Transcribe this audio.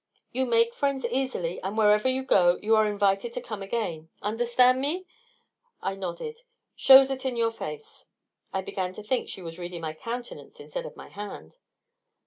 You make friends easily, and wherever you go you are invited to come again. Understand me?" I nodded. "Shows it in your face." I began to think she was reading my countenance instead of my hand.